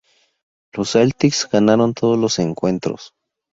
Los Celtics ganaron todos los encuentros.